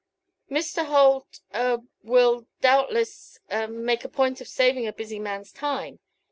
"Mr. Holt a will doubtless a make a point of saving a busy man's time.